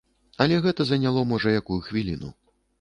Але гэта заняло можа якую хвіліну.